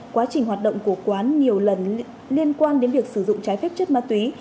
quá trình hoạt động của quán nhiều lần liên quan đến việc sử dụng trái phép chất ma túy